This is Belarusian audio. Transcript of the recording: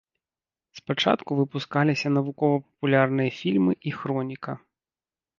Спачатку выпускаліся навукова-папулярныя фільмы і хроніка.